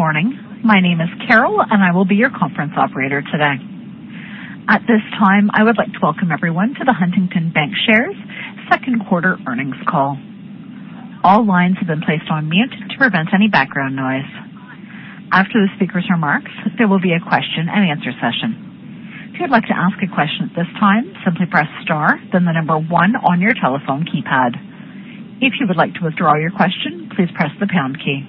Good morning. I will be your conference operator today. At this time, I would like to welcome everyone to the Huntington Bancshares second quarter earnings call. All lines have been placed on mute to prevent any background noise. After the speaker's remarks, there will be a question and answer session. If you'd like to ask a question at this time, simply press star, then the number 1 on your telephone keypad. If you would like to withdraw your question, please press the pound key.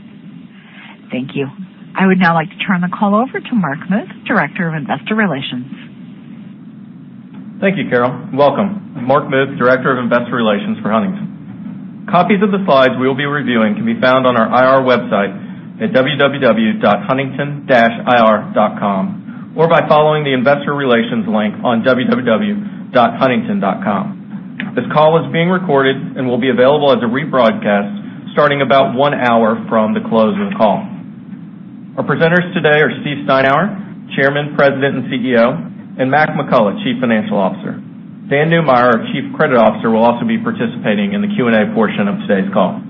Thank you. I would now like to turn the call over to Mark Muth, Director of Investor Relations. Thank you, Carol. Welcome. I'm Mark Muth, Director of Investor Relations for Huntington. Copies of the slides we will be reviewing can be found on our IR website at www.huntington-ir.com or by following the Investor Relations link on www.huntington.com. This call is being recorded and will be available as a rebroadcast starting about one hour from the close of the call. Our presenters today are Steve Steinour, Chairman, President, and CEO, and Mac McCullough, Chief Financial Officer. Dan Neumeyer, our Chief Credit Officer, will also be participating in the Q&A portion of today's call.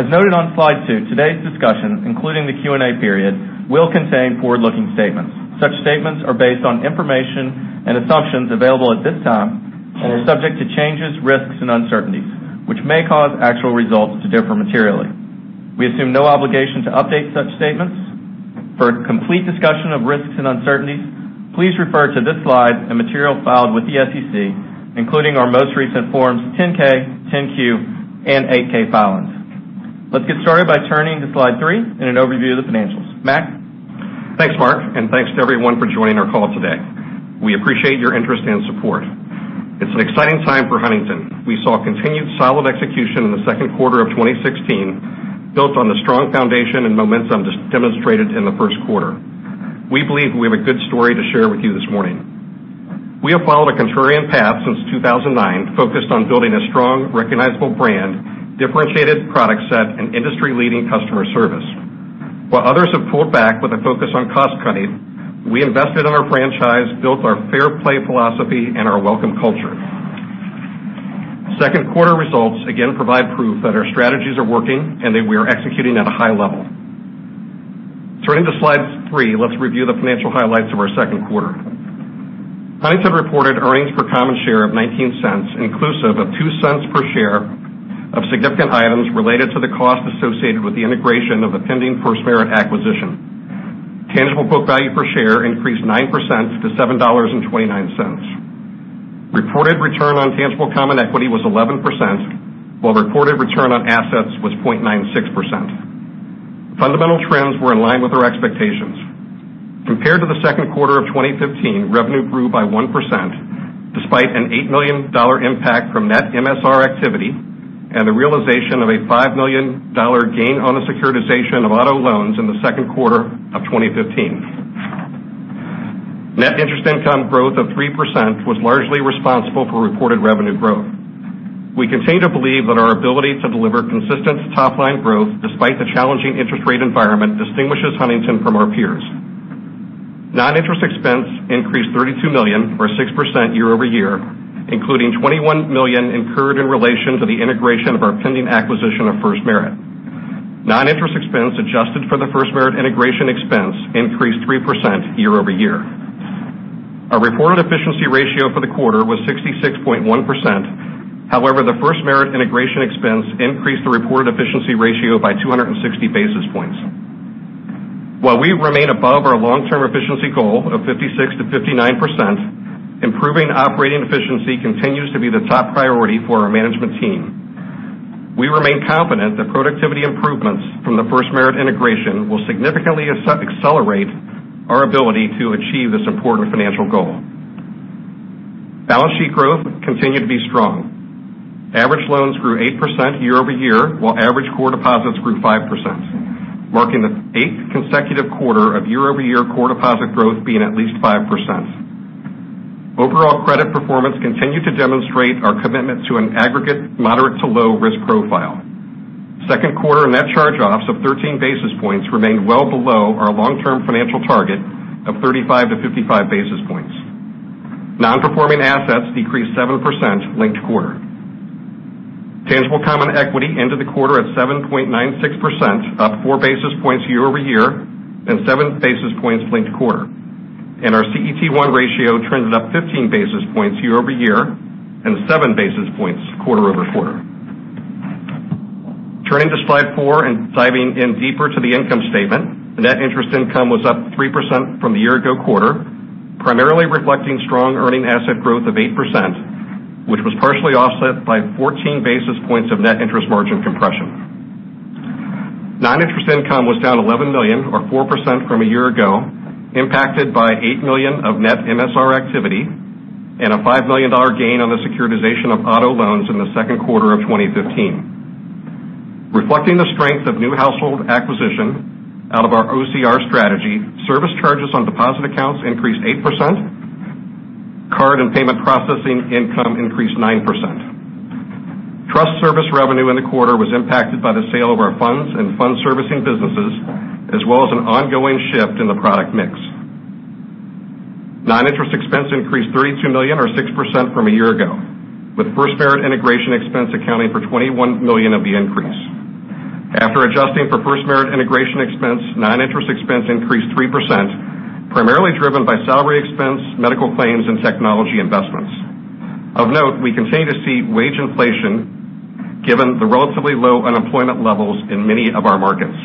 As noted on slide two, today's discussion, including the Q&A period, will contain forward-looking statements. Such statements are based on information and assumptions available at this time and are subject to changes, risks, and uncertainties, which may cause actual results to differ materially. We assume no obligation to update such statements. For a complete discussion of risks and uncertainties, please refer to this slide and materials filed with the SEC, including our most recent Forms 10-K, 10-Q, and 8-K filings. Let's get started by turning to slide three and an overview of the financials. Mac? Thanks, Mark. Thanks to everyone for joining our call today. We appreciate your interest and support. It's an exciting time for Huntington. We saw continued solid execution in the second quarter of 2016, built on the strong foundation and momentum demonstrated in the first quarter. We believe we have a good story to share with you this morning. We have followed a contrarian path since 2009, focused on building a strong, recognizable brand, differentiated product set, and industry-leading customer service. While others have pulled back with a focus on cost cutting, we invested in our franchise, built our Fair Play philosophy and our Welcome culture. Second quarter results again provide proof that our strategies are working and that we are executing at a high level. Turning to slide three, let's review the financial highlights of our second quarter. Huntington reported earnings per common share of $0.19, inclusive of $0.02 per share of significant items related to the cost associated with the integration of the pending FirstMerit acquisition. Tangible book value per share increased 9% to $7.29. Reported return on tangible common equity was 11%, while reported return on assets was 0.96%. Fundamental trends were in line with our expectations. Compared to the second quarter of 2015, revenue grew by 1%, despite an $8 million impact from net MSR activity and the realization of a $5 million gain on the securitization of auto loans in the second quarter of 2015. Net interest income growth of 3% was largely responsible for reported revenue growth. We continue to believe that our ability to deliver consistent top-line growth despite the challenging interest rate environment distinguishes Huntington from our peers. Non-interest expense increased $32 million, or 6% year-over-year, including $21 million incurred in relation to the integration of our pending acquisition of FirstMerit. Non-interest expense adjusted for the FirstMerit integration expense increased 3% year-over-year. Our reported efficiency ratio for the quarter was 66.1%. However, the FirstMerit integration expense increased the reported efficiency ratio by 260 basis points. While we remain above our long-term efficiency goal of 56%-59%, improving operating efficiency continues to be the top priority for our management team. We remain confident that productivity improvements from the FirstMerit integration will significantly accelerate our ability to achieve this important financial goal. Balance sheet growth continued to be strong. Average loans grew 8% year-over-year, while average core deposits grew 5%, marking the eighth consecutive quarter of year-over-year core deposit growth being at least 5%. Overall credit performance continued to demonstrate our commitment to an aggregate moderate to low risk profile. Second quarter net charge-offs of 13 basis points remained well below our long-term financial target of 35-55 basis points. Non-Performing Assets decreased 7% linked quarter. Tangible common equity into the quarter at 7.96%, up four basis points year-over-year and seven basis points linked quarter. Our CET1 ratio trends up 15 basis points year-over-year and seven basis points quarter-over-quarter. Turning to slide four and diving in deeper to the income statement, the net interest income was up 3% from the year ago quarter, primarily reflecting strong earning asset growth of 8%, which was partially offset by 14 basis points of net interest margin compression. Non-interest income was down $11 million, or 4% from a year ago, impacted by $8 million of net MSR activity and a $5 million gain on the securitization of auto loans in the second quarter of 2015. Reflecting the strength of new household acquisition out of our OCR strategy, service charges on deposit accounts increased 8%. Card and payment processing income increased 9%. Trust service revenue in the quarter was impacted by the sale of our funds and fund servicing businesses, as well as an ongoing shift in the product mix. Non-interest expense increased $32 million or 6% from a year ago, with FirstMerit integration expense accounting for $21 million of the increase. After adjusting for FirstMerit integration expense, non-interest expense increased 3%, primarily driven by salary expense, medical claims, and technology investments. Of note, we continue to see wage inflation given the relatively low unemployment levels in many of our markets.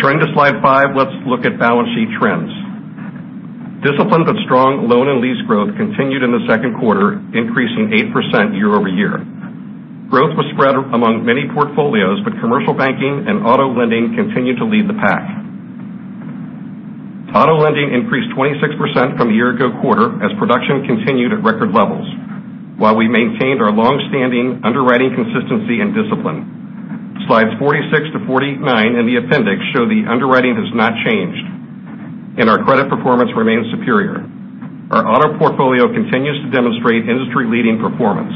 Turning to Slide 5, let's look at balance sheet trends. Disciplined but strong loan and lease growth continued in the second quarter, increasing 8% year-over-year. Growth was spread among many portfolios, but commercial banking and auto lending continued to lead the pack. Auto lending increased 26% from the year ago quarter as production continued at record levels, while we maintained our long-standing underwriting consistency and discipline. Slides 46 to 49 in the appendix show the underwriting has not changed, and our credit performance remains superior. Our auto portfolio continues to demonstrate industry-leading performance.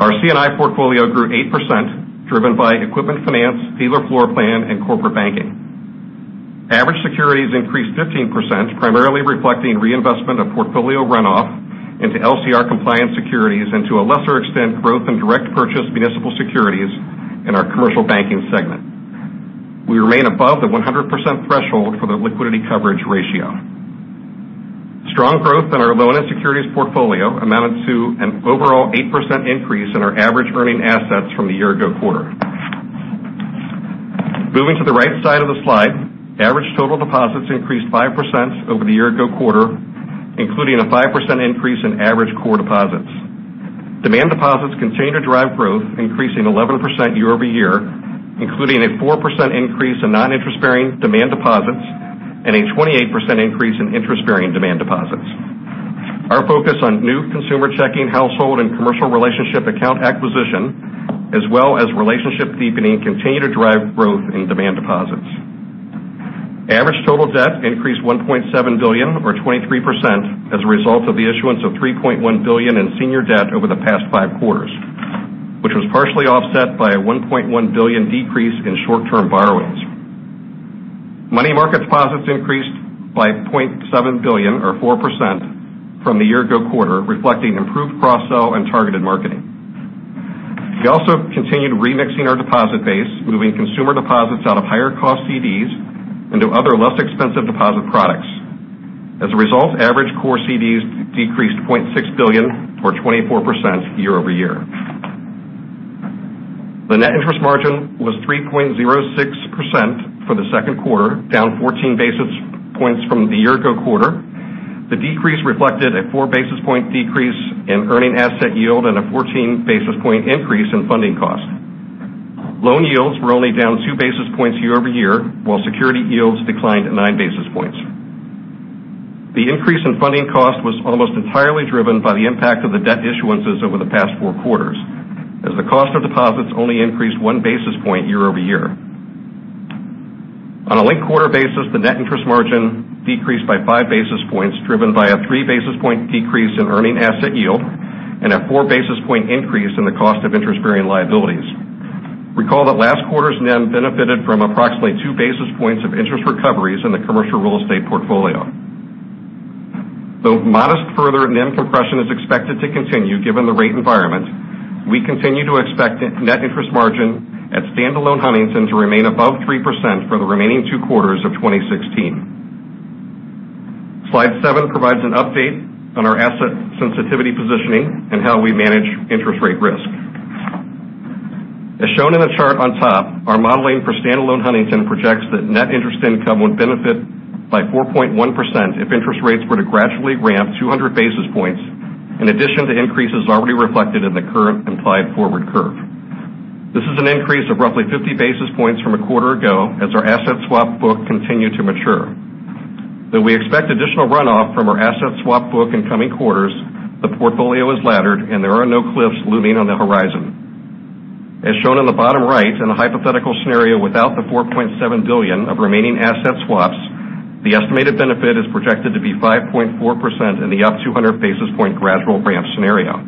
Our C&I portfolio grew 8%, driven by equipment finance, dealer floor plan, and corporate banking. Average securities increased 15%, primarily reflecting reinvestment of portfolio runoff into LCR compliance securities and, to a lesser extent, growth in direct purchase municipal securities in our commercial banking segment. We remain above the 100% threshold for the liquidity coverage ratio. Strong growth in our loan and securities portfolio amounted to an overall 8% increase in our average earning assets from the year ago quarter. Moving to the right side of the slide, average total deposits increased 5% over the year ago quarter, including a 5% increase in average core deposits. Demand deposits continue to drive growth, increasing 11% year-over-year, including a 4% increase in non-interest-bearing demand deposits and a 28% increase in interest-bearing demand deposits. Our focus on new consumer checking, household, and commercial relationship account acquisition, as well as relationship deepening, continue to drive growth in demand deposits. Average total debt increased $1.7 billion, or 23%, as a result of the issuance of $3.1 billion in senior debt over the past five quarters, which was partially offset by a $1.1 billion decrease in short-term borrowings. Money market deposits increased by $0.7 billion, or 4%, from the year ago quarter, reflecting improved cross-sell and targeted marketing. We also continued remixing our deposit base, moving consumer deposits out of higher cost CDs into other less expensive deposit products. As a result, average core CDs decreased $0.6 billion or 24% year-over-year. The net interest margin was 3.06% for the second quarter, down 14 basis points from the year ago quarter. The decrease reflected a four basis point decrease in earning asset yield and a 14 basis point increase in funding cost. Loan yields were only down two basis points year-over-year, while security yields declined nine basis points. The increase in funding cost was almost entirely driven by the impact of the debt issuances over the past four quarters, as the cost of deposits only increased one basis point year-over-year. On a linked quarter basis, the net interest margin decreased by five basis points, driven by a three basis point decrease in earning asset yield and a four basis point increase in the cost of interest-bearing liabilities. Recall that last quarter's NIM benefited from approximately two basis points of interest recoveries in the commercial real estate portfolio. Though modest further NIM compression is expected to continue given the rate environment, we continue to expect net interest margin at standalone Huntington to remain above 3% for the remaining two quarters of 2016. Slide seven provides an update on our asset sensitivity positioning and how we manage interest rate risk. As shown in the chart on top, our modeling for standalone Huntington projects that net interest income would benefit by 4.1% if interest rates were to gradually ramp 200 basis points in addition to increases already reflected in the current implied forward curve. This is an increase of roughly 50 basis points from a quarter ago as our asset swap book continued to mature. Though we expect additional runoff from our asset swap book in coming quarters, the portfolio is laddered and there are no cliffs looming on the horizon. As shown in the bottom right, in a hypothetical scenario without the $4.7 billion of remaining asset swaps, the estimated benefit is projected to be 5.4% in the up 200 basis point gradual ramp scenario.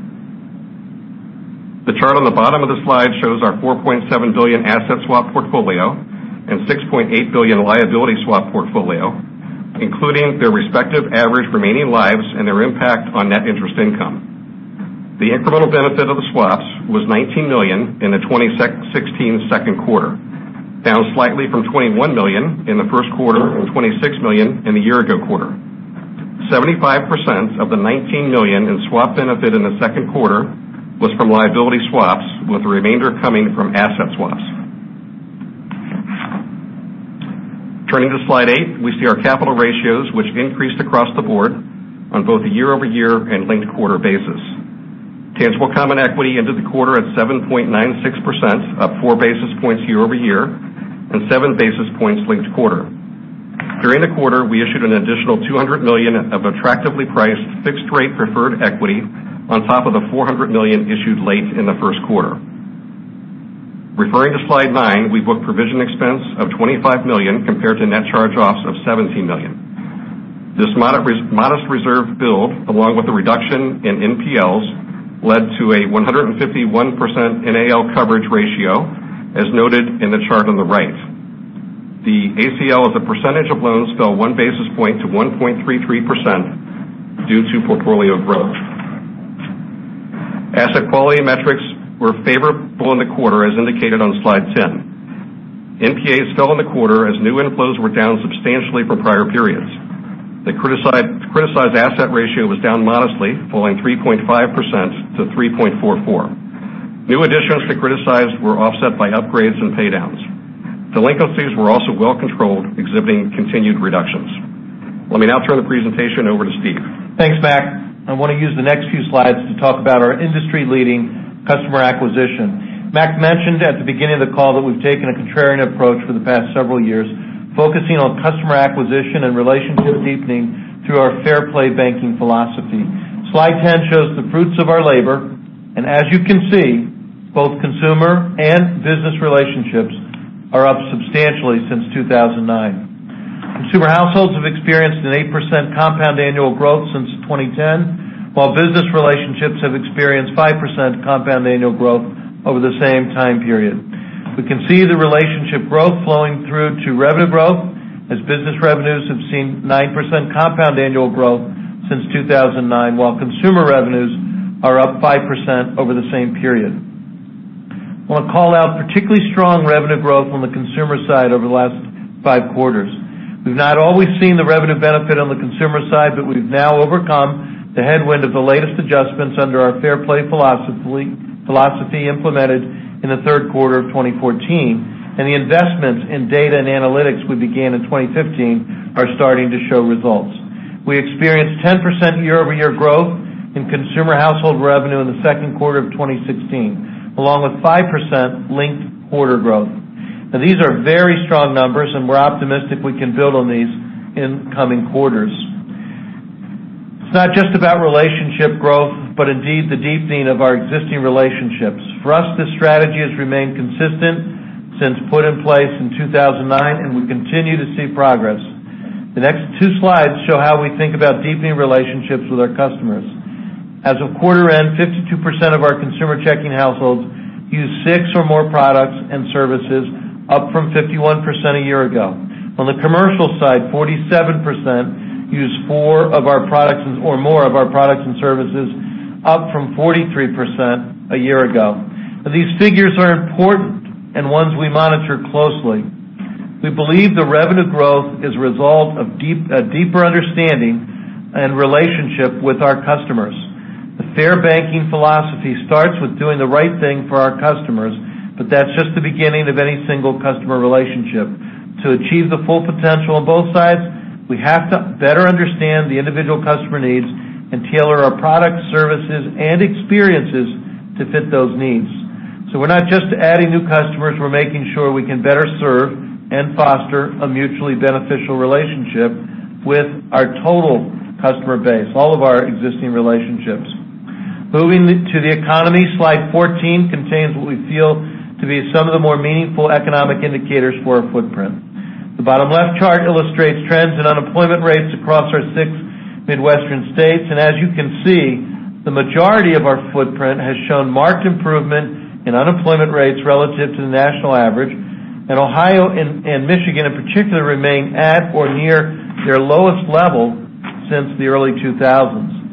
The chart on the bottom of the slide shows our $4.7 billion asset swap portfolio and $6.8 billion liability swap portfolio, including their respective average remaining lives and their impact on net interest income. The incremental benefit of the swaps was $19 million in the 2016 second quarter, down slightly from $21 million in the first quarter and $26 million in the year-over-year quarter. 75% of the $19 million in swap benefit in the second quarter was from liability swaps, with the remainder coming from asset swaps. Turning to slide eight, we see our capital ratios, which increased across the board on both a year-over-year and linked quarter basis. Tangible common equity ended the quarter at 7.96%, up four basis points year-over-year and seven basis points linked quarter. During the quarter, we issued an additional $200 million of attractively priced fixed rate preferred equity on top of the $400 million issued late in the first quarter. Referring to slide nine, we booked provision expense of $25 million, compared to net charge-offs of $17 million. This modest reserve build, along with the reduction in NPLs, led to a 151% NAL coverage ratio, as noted in the chart on the right. The ACL as a percentage of loans fell one basis point to 1.33% due to portfolio growth. Asset quality metrics were favorable in the quarter, as indicated on slide 10. NPAs fell in the quarter as new inflows were down substantially from prior periods. The criticized asset ratio was down modestly, falling 3.5% to 3.44%. New additions to criticize were offset by upgrades and paydowns. Delinquencies were also well-controlled, exhibiting continued reductions. Let me now turn the presentation over to Steve. Thanks, Mac. I want to use the next few slides to talk about our industry-leading customer acquisition. Mac mentioned at the beginning of the call that we've taken a contrarian approach for the past several years, focusing on customer acquisition and relationship deepening through our Fair Play banking philosophy. Slide 10 shows the fruits of our labor, and as you can see, both consumer and business relationships are up substantially since 2009. Consumer households have experienced an 8% compound annual growth since 2010, while business relationships have experienced 5% compound annual growth over the same time period. We can see the relationship growth flowing through to revenue growth, as business revenues have seen 9% compound annual growth since 2009, while consumer revenues are up 5% over the same period. I want to call out particularly strong revenue growth on the consumer side over the last five quarters. We've not always seen the revenue benefit on the consumer side, but we've now overcome the headwind of the latest adjustments under our Fair Play philosophy implemented in the third quarter of 2014, and the investments in data and analytics we began in 2015 are starting to show results. We experienced 10% year-over-year growth in consumer household revenue in the second quarter of 2016, along with 5% linked quarter growth. These are very strong numbers, and we're optimistic we can build on these in coming quarters. It's not just about relationship growth, but indeed the deepening of our existing relationships. For us, this strategy has remained consistent since put in place in 2009, and we continue to see progress. The next two slides show how we think about deepening relationships with our customers. As of quarter end, 52% of our consumer checking households use six or more products and services, up from 51% a year ago. On the commercial side, 47% use four or more of our products and services, up from 43% a year ago. These figures are important and ones we monitor closely. We believe the revenue growth is a result of a deeper understanding and relationship with our customers. The Fair Play philosophy starts with doing the right thing for our customers, but that's just the beginning of any single customer relationship. To achieve the full potential on both sides, we have to better understand the individual customer needs and tailor our products, services, and experiences to fit those needs. We're not just adding new customers, we're making sure we can better serve and foster a mutually beneficial relationship with our total customer base, all of our existing relationships. Moving to the economy, slide 14 contains what we feel to be some of the more meaningful economic indicators for our footprint. The bottom left chart illustrates trends in unemployment rates across our six Midwestern states and as you can see, the majority of our footprint has shown marked improvement in unemployment rates relative to the national average, and Ohio and Michigan in particular remain at or near their lowest level since the early 2000s.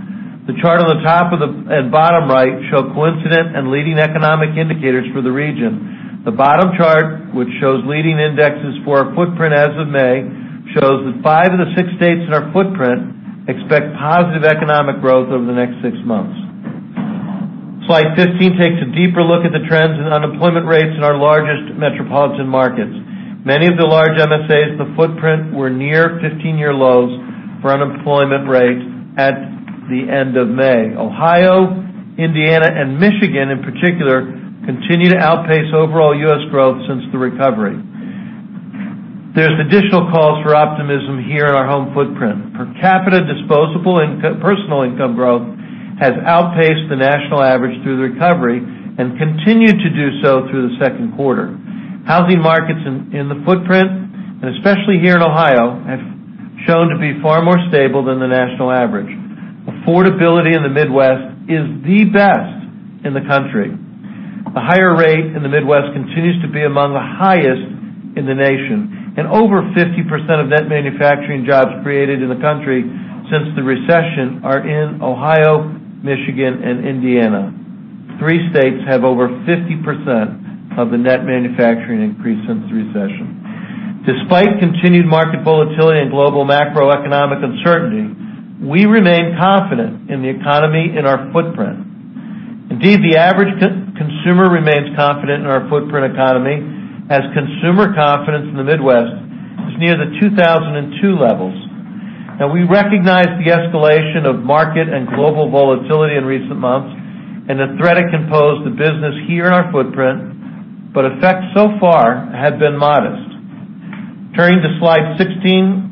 The chart on the top and bottom right show coincident and leading economic indicators for the region. The bottom chart, which shows leading indexes for our footprint as of May, shows that 5 of the 6 states in our footprint expect positive economic growth over the next six months. Slide 15 takes a deeper look at the trends in unemployment rates in our largest metropolitan markets. Many of the large MSAs in the footprint were near 15-year lows for unemployment rates at the end of May. Ohio, Indiana, and Michigan, in particular, continue to outpace overall U.S. growth since the recovery. There's additional cause for optimism here in our home footprint. Per capita disposable income, personal income growth has outpaced the national average through the recovery and continued to do so through the second quarter. Housing markets in the footprint, and especially here in Ohio, have shown to be far more stable than the national average. Affordability in the Midwest is the best in the country. The higher rate in the Midwest continues to be among the highest in the nation. Over 50% of net manufacturing jobs created in the country since the recession are in Ohio, Michigan, and Indiana. Three states have over 50% of the net manufacturing increase since the recession. Despite continued market volatility and global macroeconomic uncertainty, we remain confident in the economy in our footprint. Indeed, the average consumer remains confident in our footprint economy, as consumer confidence in the Midwest is near the 2002 levels. We recognize the escalation of market and global volatility in recent months and the threat it can pose to business here in our footprint, but effects so far have been modest. Turning to slide 16,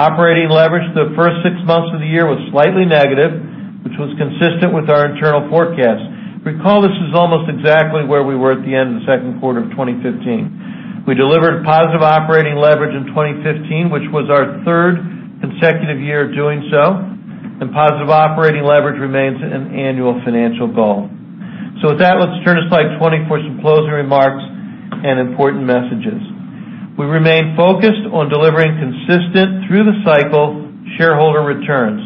operating leverage for the first six months of the year was slightly negative, which was consistent with our internal forecast. Recall this is almost exactly where we were at the end of the second quarter of 2015. We delivered positive operating leverage in 2015, which was our third consecutive year of doing so, and positive operating leverage remains an annual financial goal. We turn to slide 20 for some closing remarks and important messages. We remain focused on delivering consistent, through the cycle, shareholder returns.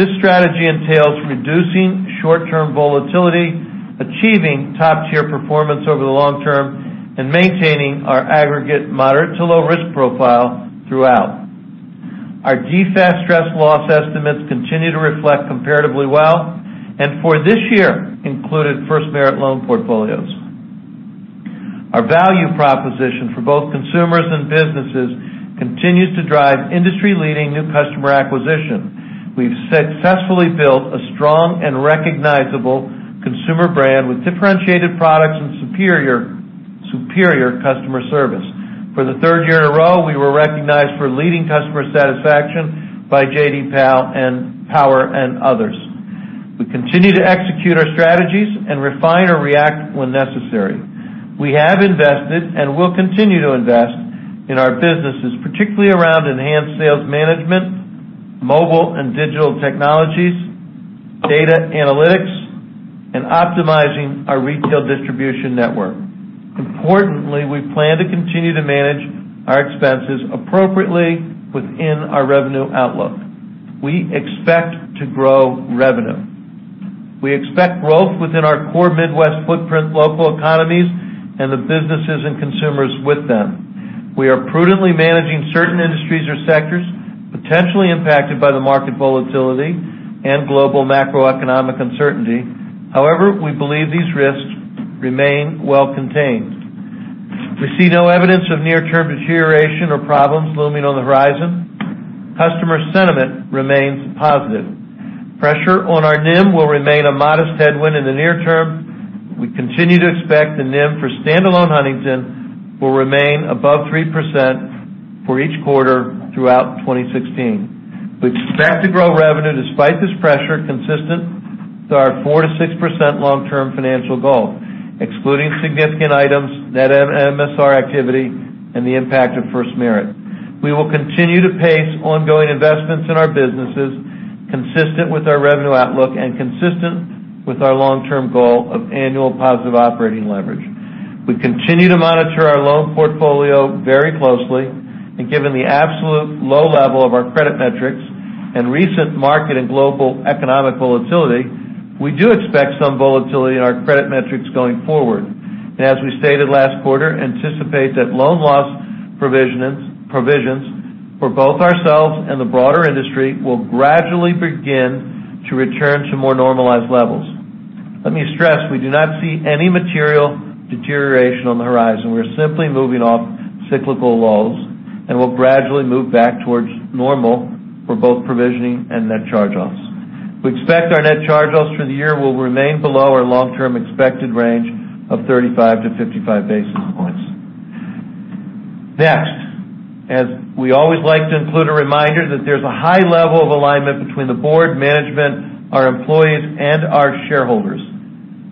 This strategy entails reducing short-term volatility, achieving top-tier performance over the long term, and maintaining our aggregate moderate to low risk profile throughout. Our DFAST stress loss estimates continue to reflect comparatively well, and for this year, included FirstMerit loan portfolios. Our value proposition for both consumers and businesses continues to drive industry-leading new customer acquisition. We've successfully built a strong and recognizable consumer brand with differentiated products and superior customer service. For the third year in a row, we were recognized for leading customer satisfaction by J.D. Power and others. We continue to execute our strategies and refine or react when necessary. We have invested and will continue to invest in our businesses, particularly around enhanced sales management, mobile and digital technologies, data analytics, and optimizing our retail distribution network. Importantly, we plan to continue to manage our expenses appropriately within our revenue outlook. We expect to grow revenue. We expect growth within our core Midwest footprint local economies and the businesses and consumers with them. We are prudently managing certain industries or sectors potentially impacted by the market volatility and global macroeconomic uncertainty. We believe these risks remain well contained. We see no evidence of near-term deterioration or problems looming on the horizon. Customer sentiment remains positive. Pressure on our NIM will remain a modest headwind in the near term. We continue to expect the NIM for standalone Huntington will remain above 3% for each quarter throughout 2016. We expect to grow revenue despite this pressure consistent with our 4%-6% long-term financial goal, excluding significant items, net MSR activity, and the impact of FirstMerit. We will continue to pace ongoing investments in our businesses consistent with our revenue outlook and consistent with our long-term goal of annual positive operating leverage. We continue to monitor our loan portfolio very closely, and given the absolute low level of our credit metrics and recent market and global economic volatility, we do expect some volatility in our credit metrics going forward. As we stated last quarter, anticipate that loan loss provisions for both ourselves and the broader industry will gradually begin to return to more normalized levels. Let me stress, we do not see any material deterioration on the horizon. We're simply moving off cyclical lows and will gradually move back towards normal for both provisioning and net charge-offs. We expect our net charge-offs for the year will remain below our long-term expected range of 35-55 basis points. Next, as we always like to include a reminder that there's a high level of alignment between the board, management, our employees, and our shareholders.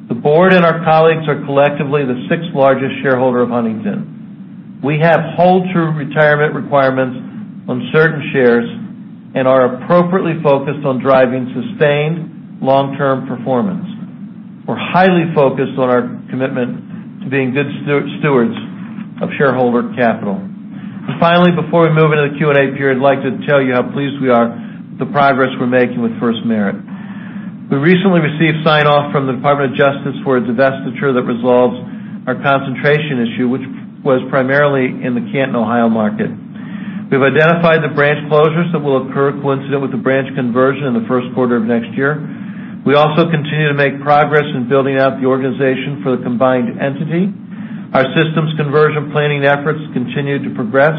The board and our colleagues are collectively the sixth-largest shareholder of Huntington. We have hold-through retirement requirements on certain shares and are appropriately focused on driving sustained long-term performance. We're highly focused on our commitment to being good stewards of shareholder capital. Finally, before we move into the Q&A period, I'd like to tell you how pleased we are with the progress we're making with FirstMerit. We recently received sign-off from the Department of Justice for a divestiture that resolves our concentration issue, which was primarily in the Canton, Ohio market. We've identified the branch closures that will occur coincident with the branch conversion in the first quarter of next year. We also continue to make progress in building out the organization for the combined entity. Our systems conversion planning efforts continue to progress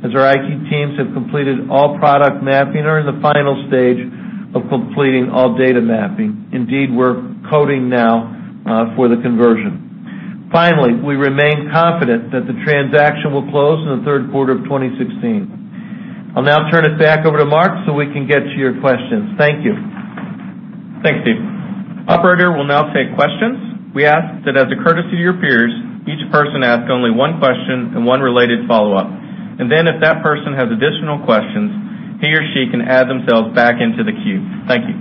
as our IT teams have completed all product mapping and are in the final stage of completing all data mapping. Indeed, we're coding now for the conversion. Finally, we remain confident that the transaction will close in the third quarter of 2016. I'll now turn it back over to Mark so we can get to your questions. Thank you. Thanks, Steve. Operator, we'll now take questions. We ask that as a courtesy to your peers, each person ask only one question and one related follow-up. If that person has additional questions, he or she can add themselves back into the queue. Thank you.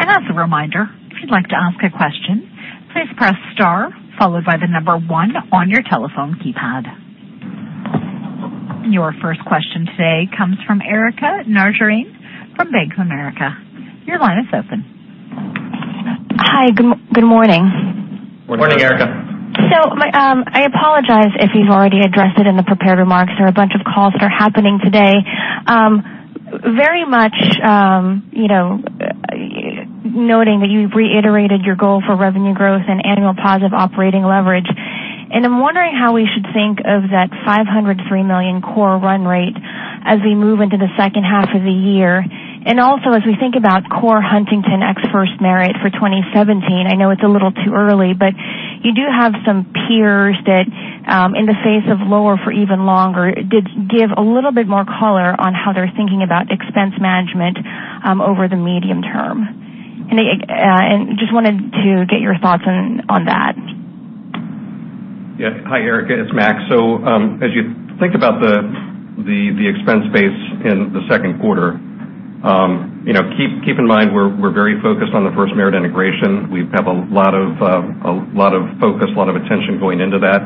As a reminder, if you'd like to ask a question, please press star followed by the number 1 on your telephone keypad. Your first question today comes from Erika Najarian from Bank of America. Your line is open. Hi. Good morning. Good morning, Erika. I apologize if you've already addressed it in the prepared remarks. There are a bunch of calls that are happening today. Very much noting that you've reiterated your goal for revenue growth and annual positive operating leverage. I'm wondering how we should think of that $503 million core run rate as we move into the second half of the year. Also, as we think about core Huntington ex FirstMerit for 2017, I know it's a little too early, but you do have some peers that, in the face of lower for even longer, did give a little bit more color on how they're thinking about expense management over the medium term. I just wanted to get your thoughts on that. Hi, Erika, it's Mac. As you think about the expense base in the second quarter, keep in mind we're very focused on the FirstMerit integration. We have a lot of focus, a lot of attention going into that.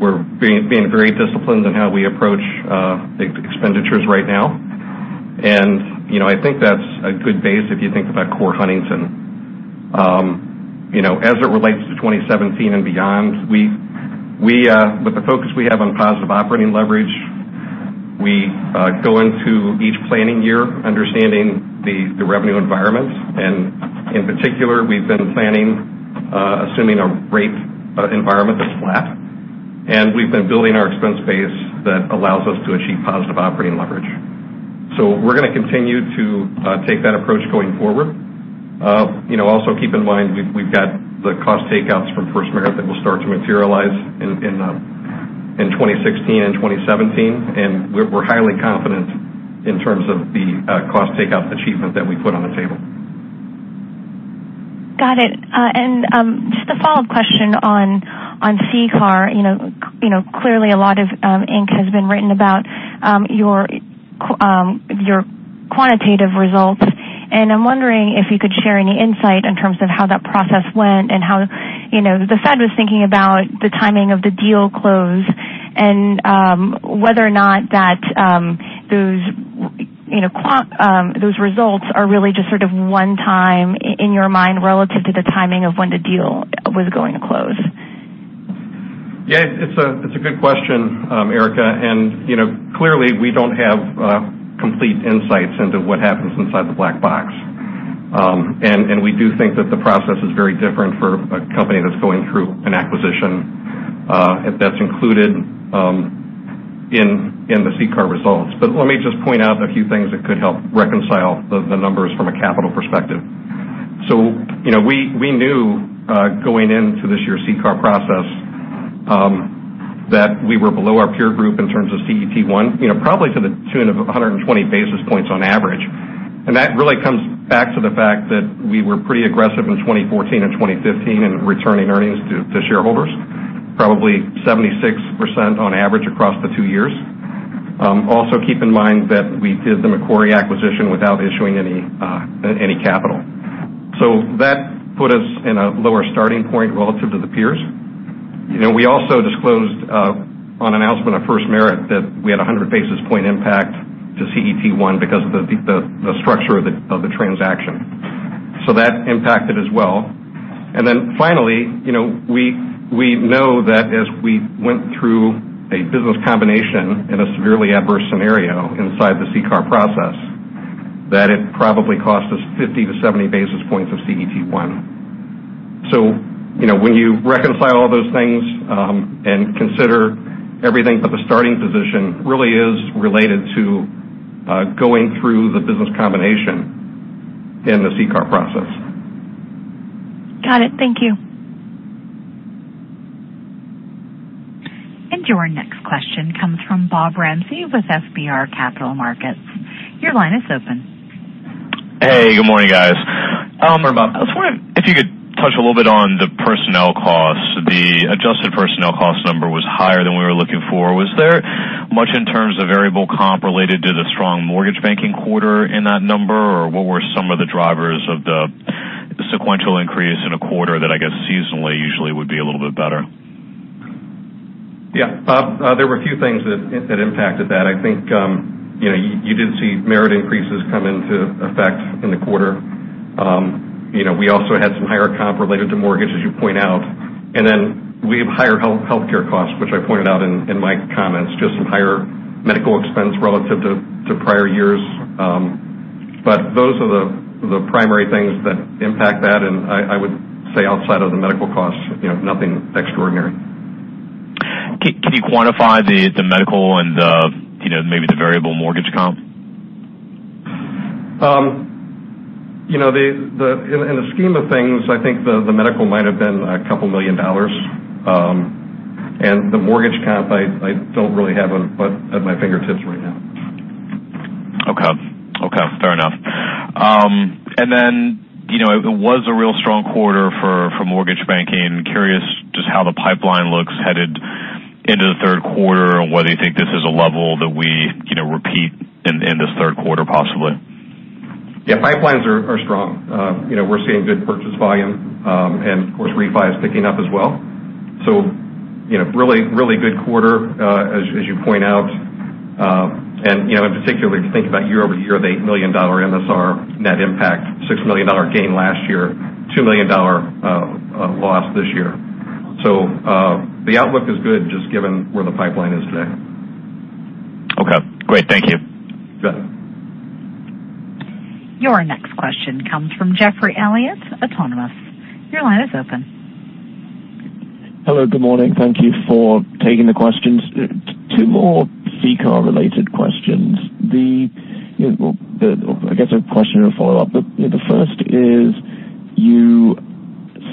We're being very disciplined in how we approach big expenditures right now. I think that's a good base if you think about core Huntington. As it relates to 2017 and beyond, with the focus we have on positive operating leverage, we go into each planning year understanding the revenue environment. In particular, we've been planning assuming a rate environment that's flat, and we've been building our expense base that allows us to achieve positive operating leverage. We're going to continue to take that approach going forward. Also keep in mind, we've got the cost takeouts from FirstMerit that will start to materialize in 2016 and 2017, and we're highly confident in terms of the cost takeout achievement that we put on the table. Got it. Just a follow-up question on CCAR. Clearly, a lot of ink has been written about your quantitative results, and I'm wondering if you could share any insight in terms of how that process went and how the Fed was thinking about the timing of the deal close and whether or not those results are really just sort of one-time in your mind relative to the timing of when the deal was going to close. Yeah. It's a good question, Erika. Clearly, we don't have complete insights into what happens inside the black box. We do think that the process is very different for a company that's going through an acquisition that's included in the CCAR results. Let me just point out a few things that could help reconcile the numbers from a capital perspective. We knew, going into this year's CCAR process that we were below our peer group in terms of CET1, probably to the tune of 120 basis points on average. That really comes back to the fact that we were pretty aggressive in 2014 and 2015 in returning earnings to shareholders, probably 76% on average across the two years. Also, keep in mind that we did the Macquarie acquisition without issuing any capital. That put us in a lower starting point relative to the peers. We also disclosed on announcement of FirstMerit that we had a 100-basis-point impact to CET1 because of the structure of the transaction. That impacted as well. Finally, we know that as we went through a business combination in a severely adverse scenario inside the CCAR process, that it probably cost us 50 to 70 basis points of CET1. When you reconcile all those things and consider everything but the starting position really is related to going through the business combination in the CCAR process. Got it. Thank you. Your next question comes from Bob Ramsey with FBR Capital Markets. Your line is open. Hey, good morning, guys. It's Bob. I was wondering if you could touch a little bit on the personnel costs. The adjusted personnel cost number was higher than we were looking for. Was there much in terms of variable comp related to the strong mortgage banking quarter in that number? Or what were some of the drivers of the sequential increase in a quarter that, I guess, seasonally, usually would be a little bit better? Yeah. Bob, there were a few things that impacted that. I think you did see merit increases come into effect in the quarter. We also had some higher comp related to mortgage, as you point out. We have higher healthcare costs, which I pointed out in my comments, just some higher medical expense relative to prior years. Those are the primary things that impact that, and I would say outside of the medical costs, nothing extraordinary. Can you quantify the medical and maybe the variable mortgage comp? In the scheme of things, I think the medical might have been a couple million dollars. The mortgage comp, I don't really have at my fingertips right now. Okay. Fair enough. It was a real strong quarter for mortgage banking. Curious just how the pipeline looks headed into the third quarter and whether you think this is a level that we repeat in this third quarter possibly. Yeah. Pipelines are strong. We're seeing good purchase volume, and of course, refi is picking up as well. Really good quarter, as you point out. In particular, if you think about year-over-year, the $8 million MSR net impact, $6 million gain last year, $2 million loss this year. The outlook is good just given where the pipeline is today. Okay. Great. Thank you. You bet. Your next question comes from Geoff Elliott, Autonomous. Your line is open. Hello, good morning. Thank you for taking the questions. Two more CCAR-related questions. I guess a question and a follow-up. The first is you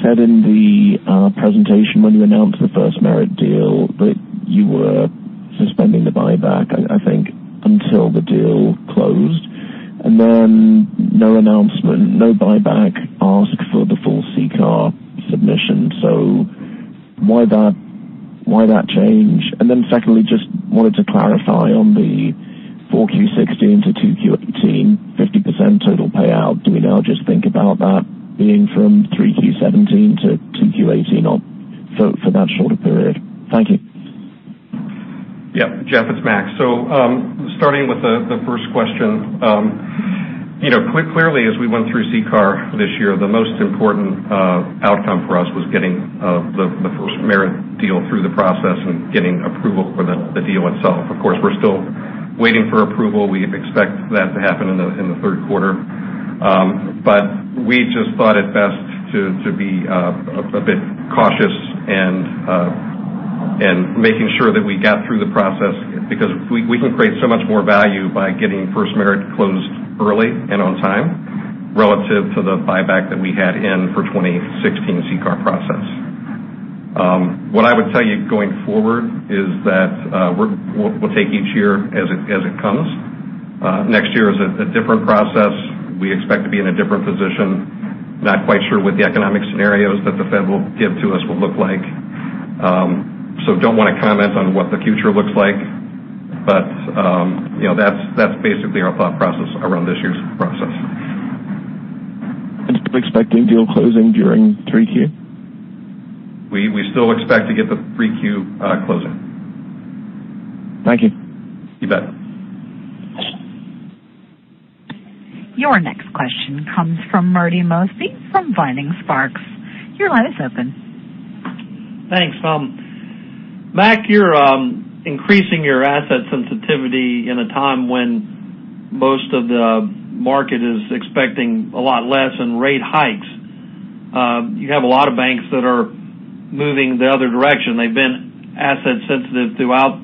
said in the presentation when you announced the FirstMerit deal that you were suspending the buyback, I think, until the deal closed, and then no announcement, no buyback asked for the full CCAR submission. Why that change? Secondly, just wanted to clarify on the four Q16 to two Q18, 50% total payout. Do we now just think about that being from three Q17 to two Q18 or for that shorter period? Thank you. Yeah. Geoff, it's Mac. Starting with the first question. Clearly, as we went through CCAR this year, the most important outcome for us was getting the FirstMerit deal through the process and getting approval for the deal itself. Of course, we're still waiting for approval. We expect that to happen in the third quarter. We just thought it best to be a bit cautious and making sure that we got through the process because we can create so much more value by getting FirstMerit closed early and on time, relative to the buyback that we had in for 2016 CCAR process. What I would tell you going forward is that we'll take each year as it comes. Next year is a different process. We expect to be in a different position. Not quite sure what the economic scenarios that the Fed will give to us will look like. Don't want to comment on what the future looks like. That's basically our thought process around this year's process. Still expecting deal closing during 3Q? We still expect to get the 3Q closing. Thank you. You bet. Your next question comes from Marty Mosby from Vining Sparks. Your line is open. Thanks. Mac, you're increasing your asset sensitivity in a time when most of the market is expecting a lot less in rate hikes. You have a lot of banks that are moving the other direction. They've been asset sensitive throughout,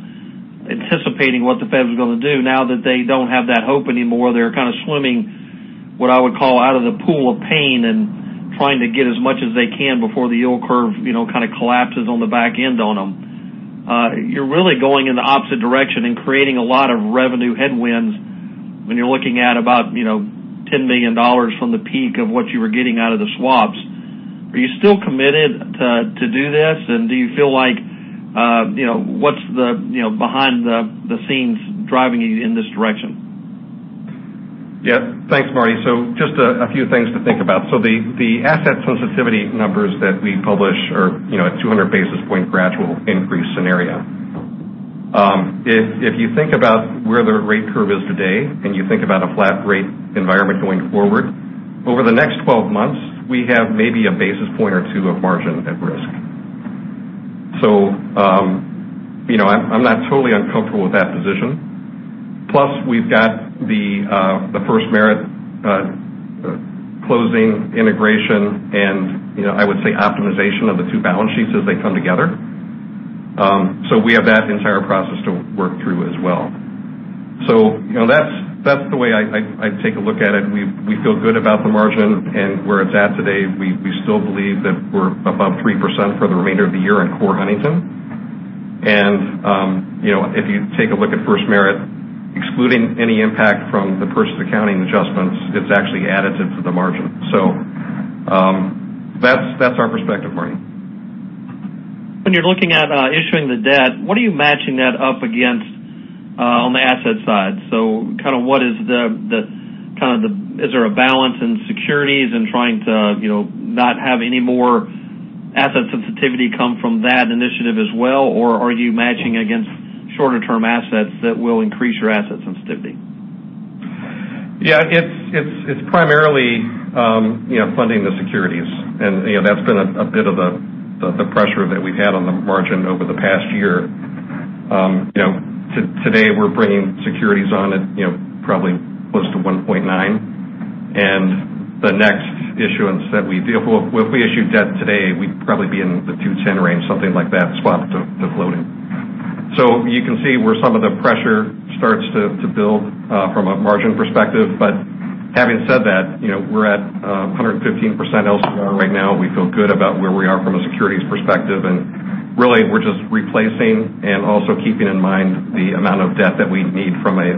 anticipating what the Fed was going to do. Now that they don't have that hope anymore, they're kind of swimming what I would call out of the pool of pain and trying to get as much as they can before the yield curve kind of collapses on the back end on them. You're really going in the opposite direction and creating a lot of revenue headwinds when you're looking at about $10 million from the peak of what you were getting out of the swaps. Are you still committed to do this, what's behind the scenes driving you in this direction? Yeah. Thanks, Marty. Just a few things to think about. The asset sensitivity numbers that we publish are at 200 basis points gradual increase scenario. If you think about where the rate curve is today and you think about a flat rate environment going forward, over the next 12 months, we have maybe a basis point or two of margin at risk. I'm not totally uncomfortable with that position. Plus, we've got the FirstMerit closing integration and I would say optimization of the two balance sheets as they come together. We have that entire process to work through as well. That's the way I take a look at it. We feel good about the margin and where it's at today. We still believe that we're above 3% for the remainder of the year in core Huntington. If you take a look at FirstMerit, excluding any impact from the purchase accounting adjustments, it's actually additive to the margin. That's our perspective, Marty. When you're looking at issuing the debt, what are you matching that up against on the asset side? Is there a balance in securities and trying to not have any more asset sensitivity come from that initiative as well? Or are you matching against shorter term assets that will increase your asset sensitivity? Yeah. It's primarily funding the securities. That's been a bit of the pressure that we've had on the margin over the past year. Today, we're bringing securities on at probably close to 1.9%. The next issuance that if we issued debt today, we'd probably be in the 210 range, something like that, swap to floating. You can see where some of the pressure starts to build from a margin perspective. Having said that, we're at 115% LCR right now. We feel good about where we are from a securities perspective. Really, we're just replacing and also keeping in mind the amount of debt that we need from a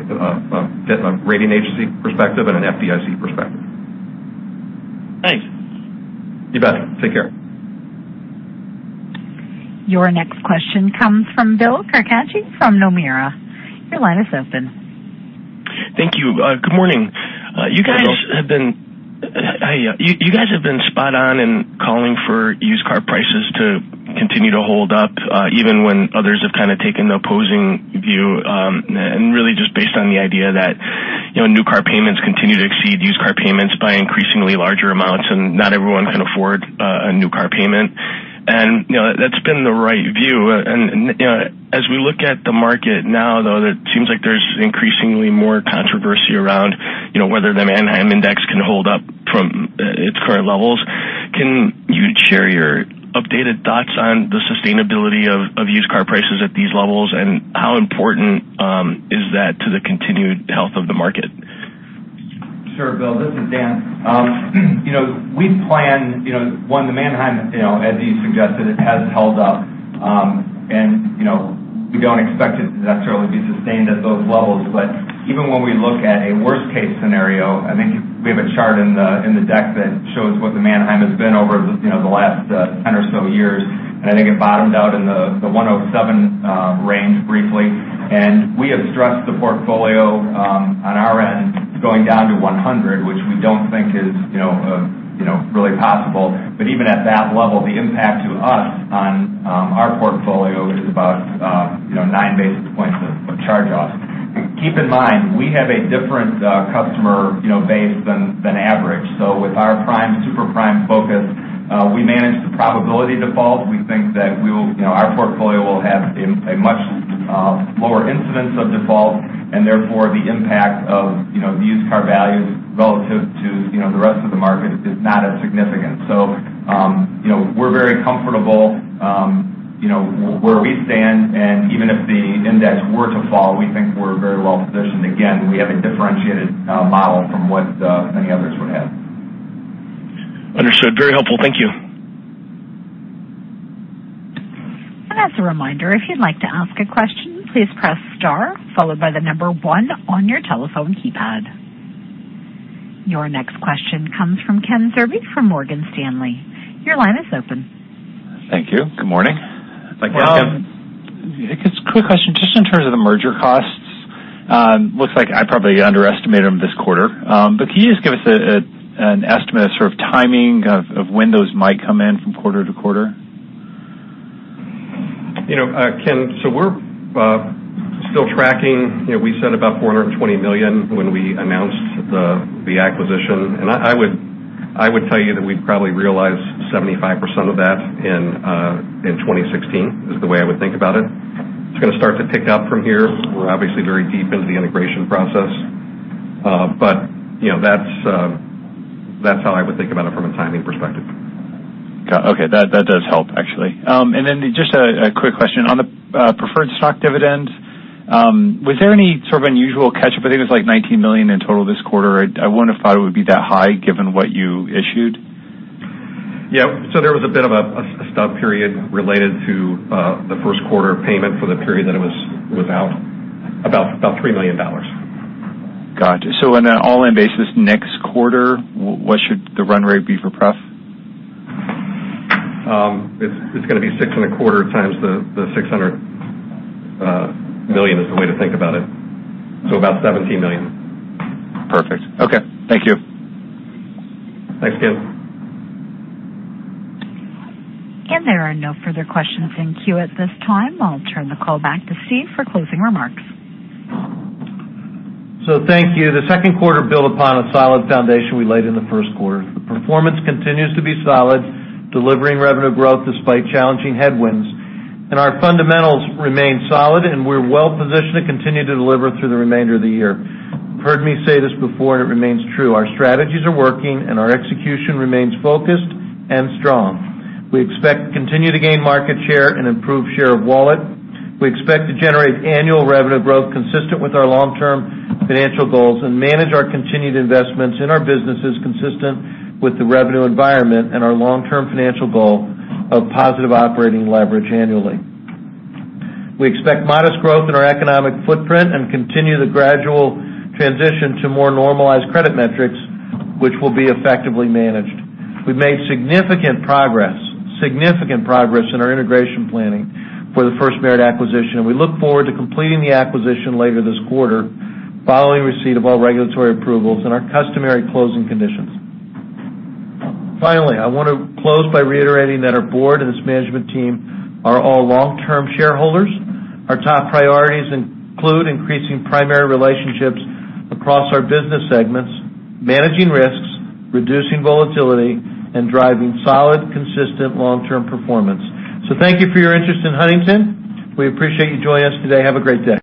rating agency perspective and an FDIC perspective. Thanks. You bet. Take care. Your next question comes from Bill Carcache from Nomura. Your line is open. Thank you. Good morning. Good morning, Bill. Hi. You guys have been spot on in calling for used car prices to continue to hold up even when others have kind of taken the opposing view, and really just based on the idea that new car payments continue to exceed used car payments by increasingly larger amounts, and not everyone can afford a new car payment. That's been the right view. As we look at the market now, though, that seems like there's increasingly more controversy around whether the Manheim index can hold up from its current levels. Can you share your updated thoughts on the sustainability of used car prices at these levels, and how important is that to the continued health of the market? Sure, Bill, this is Dan. One, the Manheim, as you suggested, it has held up. We don't expect it to necessarily be sustained at those levels. Even when we look at a worst-case scenario, I think we have a chart in the deck that shows what the Manheim has been over the last 10 or so years. I think it bottomed out in the 107 range briefly. We have stressed the portfolio on our end going down to 100, which we don't think is really possible. Even at that level, the impact to us on our portfolio is about nine basis points of charge-offs. Keep in mind, we have a different customer base than average. With our prime, super prime focus, we manage the probability default. We think that our portfolio will have a much lower incidence of default, and therefore, the impact of used car values relative to the rest of the market is not as significant. We're very comfortable where we stand. Even if the index were to fall, we think we're very well-positioned. Again, we have a differentiated model from what many others would have. Understood. Very helpful. Thank you. As a reminder, if you'd like to ask a question, please press star followed by the number one on your telephone keypad. Your next question comes from Kenneth Zerbe from Morgan Stanley. Your line is open. Thank you. Good morning. Thank you, Ken. Quick question, just in terms of the merger costs. Looks like I probably underestimated them this quarter. Can you just give us an estimate of sort of timing of when those might come in from quarter to quarter? Ken, we're still tracking. We said about $420 million when we announced the acquisition. I would tell you that we'd probably realize 75% of that in 2016, is the way I would think about it. It's going to start to pick up from here. We're obviously very deep into the integration process. That's how I would think about it from a timing perspective. Okay. That does help, actually. Just a quick question. On the preferred stock dividend, was there any sort of unusual catch-up? I think it was like $19 million in total this quarter. I wouldn't have thought it would be that high given what you issued. Yeah. There was a bit of a stub period related to the first quarter payment for the period that it was out. About $3 million. Gotcha. On an all-in basis next quarter, what should the run rate be for pref? It's going to be 6.25 times the $600 million is the way to think about it. About $70 million. Perfect. Okay. Thank you. Thanks, Ken. There are no further questions in queue at this time. I'll turn the call back to Steve for closing remarks. Thank you. The second quarter built upon a solid foundation we laid in the first quarter. The performance continues to be solid, delivering revenue growth despite challenging headwinds. Our fundamentals remain solid, and we're well-positioned to continue to deliver through the remainder of the year. You've heard me say this before, and it remains true. Our strategies are working, and our execution remains focused and strong. We expect to continue to gain market share and improve share of wallet. We expect to generate annual revenue growth consistent with our long-term financial goals and manage our continued investments in our businesses consistent with the revenue environment and our long-term financial goal of positive operating leverage annually. We expect modest growth in our economic footprint and continue the gradual transition to more normalized credit metrics, which will be effectively managed. We've made significant progress in our integration planning for the FirstMerit acquisition, and we look forward to completing the acquisition later this quarter, following receipt of all regulatory approvals and our customary closing conditions. Finally, I want to close by reiterating that our board and its management team are all long-term shareholders. Our top priorities include increasing primary relationships across our business segments, managing risks, reducing volatility, and driving solid, consistent long-term performance. Thank you for your interest in Huntington. We appreciate you joining us today. Have a great day.